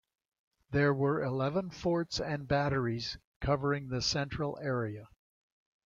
There were eleven forts and batteries covering the central area.